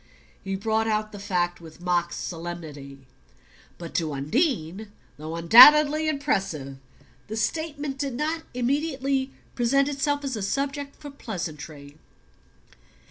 He brought out the fact with mock solemnity. But to Undine, though undoubtedly impressive, the statement did not immediately present itself as a subject for pleasantry.